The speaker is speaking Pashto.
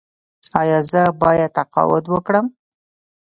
ایا زه باید تقاعد وکړم؟